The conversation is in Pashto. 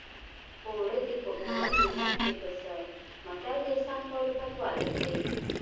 اوړه دې په اوړه منت دې په څه متل د احسان کولو بدوالی ښيي